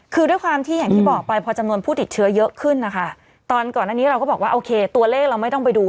คือด้วยความที่อย่างที่บอกไปพอจำนวนผู้ติดเชื้อเยอะขึ้นนะคะตอนก่อนอันนี้เราก็บอกว่าโอเคตัวเลขเราไม่ต้องไปดู